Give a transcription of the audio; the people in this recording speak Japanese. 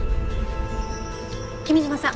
君嶋さん